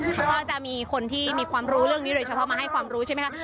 เขาก็จะมีคนที่มีความรู้เรื่องนี้โดยเฉพาะมาให้ความรู้ใช่ไหมคะ